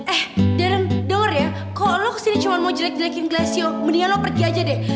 eh darren denger ya kalo lo kesini cuma mau jelek jelekin glassio mendingan lo pergi aja deh